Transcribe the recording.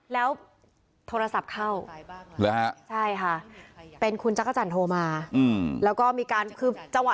แล้วโทรศัพท์เข้า